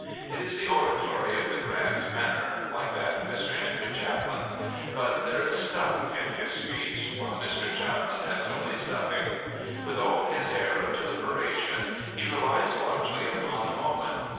It is the oratory of the grand manner, like that of Mr. Henry Chaplin; but there is " stuff " in his speech, while Mr. Chaplin has only stufling. With all his air of deliberation, he relies largely upon the moment.